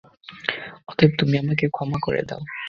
অতএব, তুমি আমাকে ক্ষমা করে দাও।